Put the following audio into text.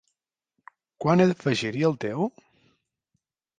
Quan he d'afegir-hi el teu?